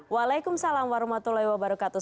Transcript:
waalaikumsalam warahmatullahi wabarakatuh